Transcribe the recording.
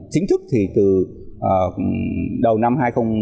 chính thức thì từ đầu năm hai nghìn một mươi chín